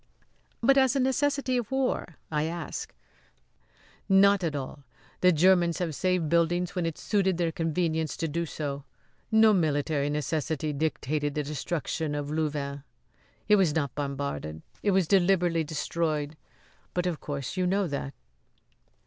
"But as a necessity of war?" I asked. "Not at all. The Germans have saved buildings when it suited their convenience to do so. No military necessity dictated the destruction of Louvain. It was not bombarded. It was deliberately destroyed. But, of course, you know that."